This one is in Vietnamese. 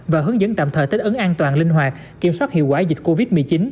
và hướng dẫn tạm thời tích ứng an toàn linh hoạt kiểm soát hiệu quả dịch covid một mươi chín